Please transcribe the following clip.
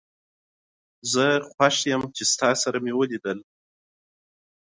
زه خوش یم